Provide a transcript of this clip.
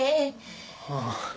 ああ。